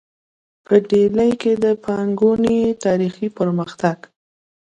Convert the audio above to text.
په ډیلي کې د پانګونې تاریخي پرمختګ